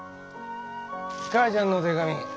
母ちゃんの手紙。